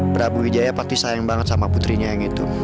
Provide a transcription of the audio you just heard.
prabu wijaya pasti sayang banget sama putrinya yang gitu